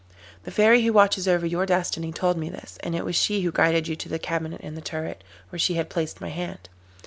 The Fairy who watches over your destiny told me this, and it was she who guided you to the cabinet in the turret, where she had placed my hand.